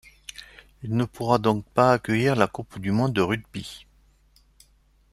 Il ne pourra donc pas accueillir la coupe du monde de Rugby.